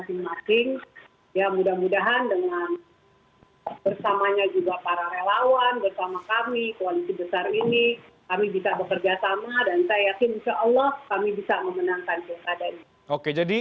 dan saya yakin insya allah kami bisa memenangkan keadaan ini